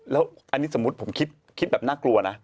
แล้วอันนี้สมมุติผมคิดแบบน่ากลัวนะ